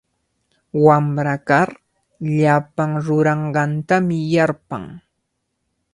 Wamra kar llapan ruranqantami yarpan.